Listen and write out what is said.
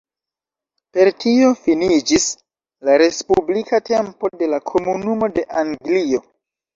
Per tio finiĝis la respublika tempo de la "Komunumo de Anglio".